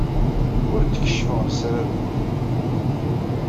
Ur d-keccfeɣ lesrar-nwen.